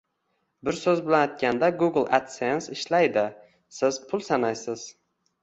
Bir so’z bilan aytganda, Google adsense ishlaydi, Siz pul sanaysiz